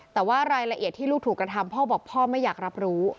แต่ว่ารายละเอียดที่ลูกถูกกระทำพ่อบอกพ่อไม่อยากรับรู้